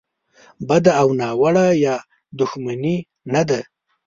بده او ناوړه یا دوښمني نه ده.